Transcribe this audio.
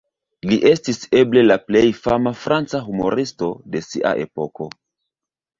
Li estis eble le plej fama franca humuristo de sia epoko.